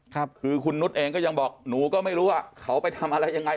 คือคุณนุษย์เองก็ยังบอกหนูก็ไม่รู้ว่าเขาไปทำอะไรยังไง